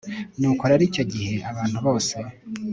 nuko rero icyo gihe abantu bose